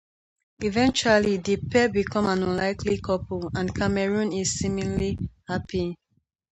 Eventually the pair become an unlikely couple, and Cameron is seemingly happy.